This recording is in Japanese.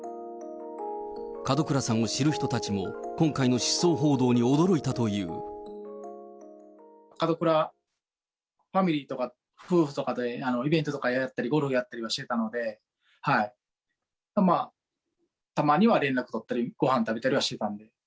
門倉さんを知る人たちも、門倉ファミリーとか、夫婦とかと、イベントとかやったり、ゴルフやったりはしてたので、たまには連絡取ったり、ごはん食べたりはしてたんで。